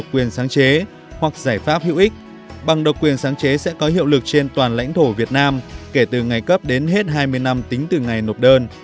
quyền sáng chế hoặc giải pháp hữu ích bằng độc quyền sáng chế sẽ có hiệu lực trên toàn lãnh thổ việt nam kể từ ngày cấp đến hết hai mươi năm tính từ ngày nộp đơn